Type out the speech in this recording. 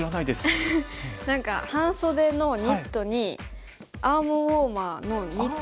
何か半袖のニットにアームウォーマーのニット。